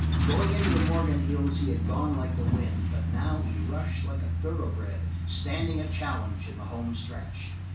Going into the Morgan Hills he had gone like the wind, but now he rushed like a thoroughbred standing a challenge in the homestretch.